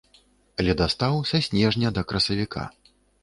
Ледастаў са снежня да красавіка.